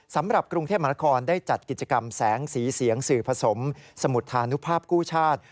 สำหรับกรุงเทพมหานครได้จัดกิจกรรมแสงสีเสียงสื่อผสมสมุทรธานุภาพกู้ชาติ